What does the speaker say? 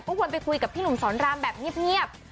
ก็ควรไปคุยกับพี่หนุ่มสอนรามแบบเงียบ